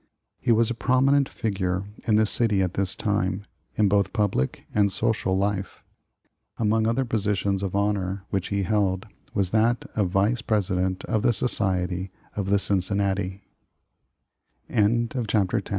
He was a prominent figure in the city at this time, in both public and social life. Among other positions of honor which he held, was that of Vice President of the Society of